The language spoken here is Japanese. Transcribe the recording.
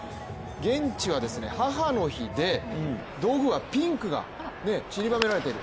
現地は母の日で道具がピンクが散りばめられている。